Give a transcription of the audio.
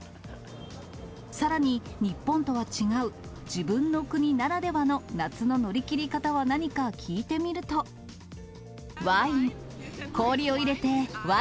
さらに、日本とは違う自分の国ならではの夏の乗り切り方は何か聞いてみるワイン。